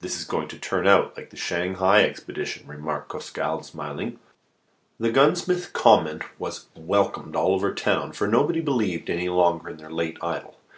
"This is going to turn out like the Shanghai expedition," remarked Costecalde, smiling. The gunsmith's comment was welcomed all over town, for nobody believed any longer in their late idol.